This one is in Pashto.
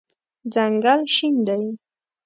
ځنګل شین دی